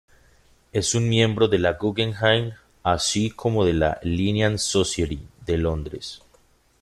Es un miembro de la Guggenheim así como de la "Linnean Society" de Londres.